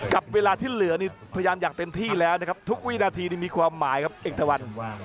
กับเวลาที่เหลือนี่พยายามอย่างเต็มที่แล้วนะครับทุกวินาทีนี่มีความหมายครับเอกตะวัน